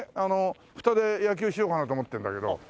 ふたで野球しようかなと思ってるんだけど。